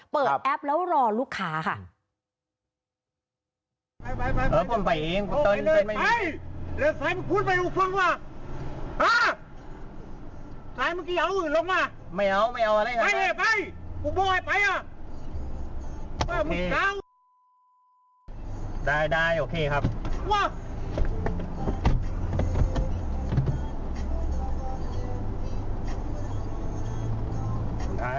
แอปแล้วรอลูกค้าค่ะ